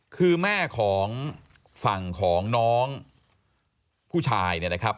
คือแม่ของฝั่งของน้องผู้ชายเนี่ยนะครับ